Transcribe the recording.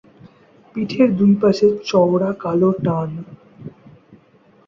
পিঠের দুই পাশে চওড়া কালো টান।